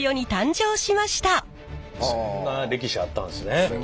そんな歴史あったんすね。